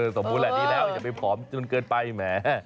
สมมุติแหละดีแล้วอย่าไปผอมจนเกินไปแหม